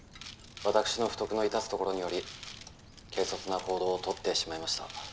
わたくしの不徳の致すところにより軽率な行動を取ってしまいました。